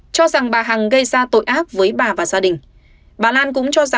cho rằng bà hằng gây ra tội ác với bà và gia đình